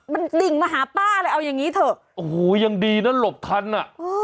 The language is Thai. มันดิ่งมาหาป้าเลยเอาอย่างงี้เถอะโอ้โหยังดีนะหลบทันอ่ะ